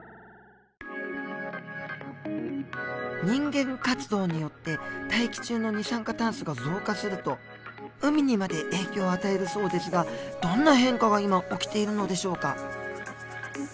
人間活動によって大気中の二酸化炭素が増加すると海にまで影響を与えるそうですがどんな変化が今起きているのでしょうか。